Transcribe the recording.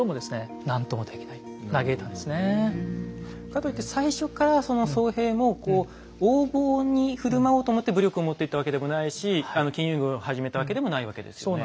かといって最初からその僧兵もこう横暴に振る舞おうと思って武力を持っていったわけでもないし金融業を始めたわけでもないわけですよね。